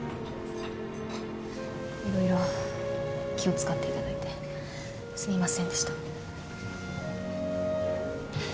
色々気を使っていただいてすみませんでした。